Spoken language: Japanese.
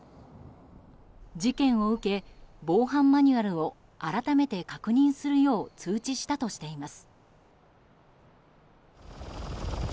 事件を受け、防犯マニュアルを改めて確認するよう通知したとしています。